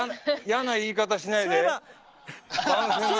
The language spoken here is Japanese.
嫌な言い方しないで。